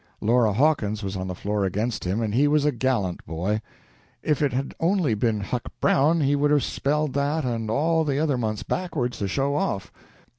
Laura Hawkins was on the floor against him, and he was a gallant boy. If it had only been Huck Brown he would have spelled that and all the other months backward, to show off.